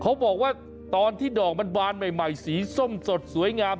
เขาบอกว่าตอนที่ดอกมันบานใหม่สีส้มสดสวยงาม